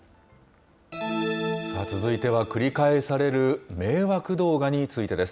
続いては、繰り返される迷惑動画についてです。